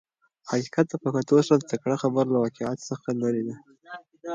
حقیقت ته په کتو سره د ټکر خبره له واقعیت څخه لرې ده.